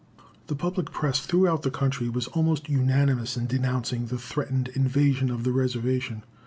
The public press throughout the country was almost unanimous in denouncing the threatened invasion of the reservation.